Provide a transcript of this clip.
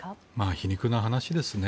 皮肉な話ですね。